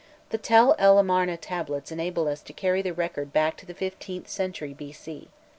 The Tel el Amarna tablets enable us to carry the record back to the fifteenth century b.c.